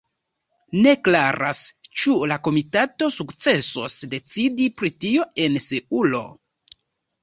Ne klaras, ĉu la komitato sukcesos decidi pri tio en Seulo.